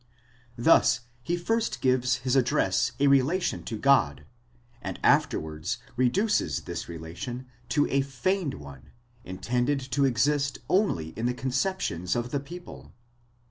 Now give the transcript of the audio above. Thus he first gives his address a relation to God, and afterwards reduces this relation to a feigned one, intended to exist only in the conceptions of the people.